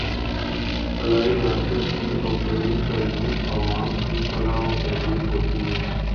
فلاحی ریاست کی اولین ترجیح عوام کی فلاح و بہبود ہوتی ہے